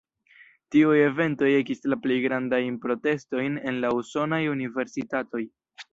Tiuj eventoj ekis la plej grandajn protestojn en la usonaj universitatoj.